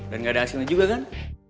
dan gak ada hasilnya juga kan